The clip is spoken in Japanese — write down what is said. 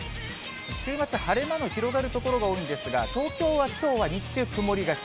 週末、晴れ間の広がる所が多いんですが、東京はきょうは日中曇りがち。